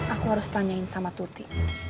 aku harus tanyain sama tuti